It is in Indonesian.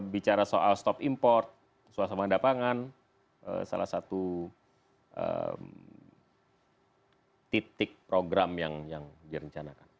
bicara soal stop import soal soal mandapangan salah satu titik program yang direncanakan